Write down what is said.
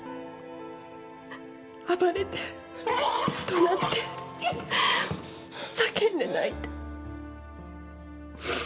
暴れて怒鳴って叫んで泣いて。